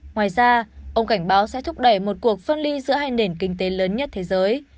ngoài ra ông cảnh báo sẽ thúc đẩy một cuộc phân ly giữa hai nền kinh tế lớn nhất thế giới